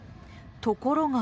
ところが。